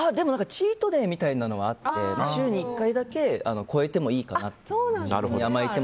チートデーみたいなのはあって週に１回だけ越えてもいいかなと。